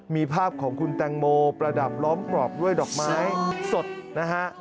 มีภาพของคุณแตงโมประดับล้อมกรอบด้วยดอกไม้สดนะฮะ